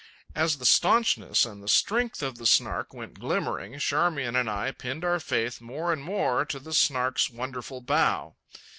As the staunchness and the strength of the Snark went glimmering, Charmian and I pinned our faith more and more to the Snark's wonderful bow.